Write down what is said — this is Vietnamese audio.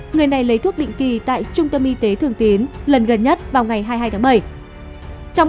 người này lấy thuốc định kỳ tại trung tâm y tế thường tiến lần gần nhất vào ngày hai mươi hai tháng bảy